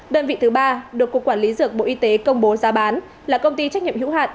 đơn vị thứ ba được cục quản lý dược bộ y tế công bố giá bán là công ty trách nhiệm hữu hạn